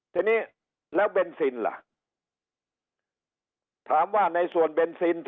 ทีนี้แล้วเบนซินล่ะถามว่าในส่วนเบนซิน